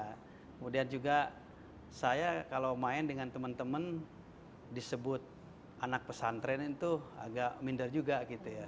kemudian juga saya kalau main dengan teman teman disebut anak pesantren itu agak minder juga gitu ya